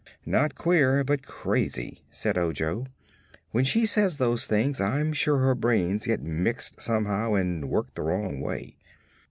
"Not queer, but crazy," said Ojo. "When she says those things I'm sure her brains get mixed somehow and work the wrong way.